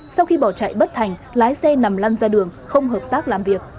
sau khi bỏ chạy bất thành lái xe nằm lăn xe